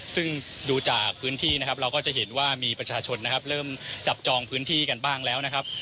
ซึ่งดูจากพื้นที่นะครับเราก็จะเห็นว่ามีประชาชนนะครับเริ่มจับจองพื้นที่กันบ้างแล้วนะครับ